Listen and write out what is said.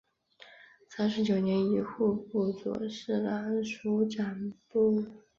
三十九年以户部左侍郎署掌部务。